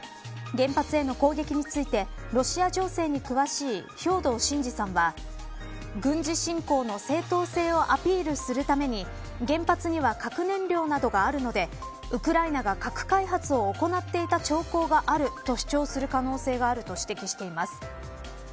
原発への攻撃についてロシア情勢に詳しい兵藤慎治さんは軍事侵攻の正当性をアピールするために原発には核燃料などがあるのでウクライナが核開発を行っていた兆候があると主張する可能性があると指摘しています。